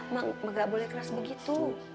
mak gak boleh keras begitu